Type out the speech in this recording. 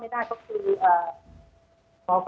อันดับที่สุดท้าย